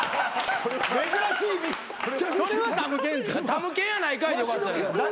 「たむけんやないかい」でよかった。